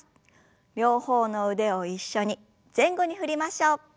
両方の腕を一緒に前後に振りましょう。